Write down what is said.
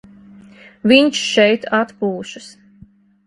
Viņš šeit atpūšas.